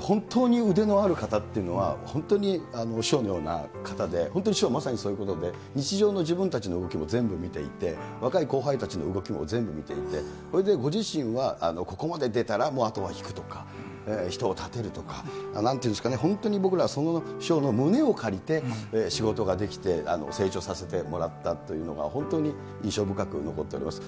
本当に腕のある方っていうのは、本当に師匠のような方で、本当に師匠はまさにそういう方で、日常の自分たちの動きも全部見ていて、若い後輩たちの動きも全部見ていて、そしてご自身はここまで出たら、もうあとは引くとか、人を立てるとか、なんて言うんですかね、僕らその師匠の胸を借りて仕事ができて、成長させてもらったというのが、本当に印象深く残っております。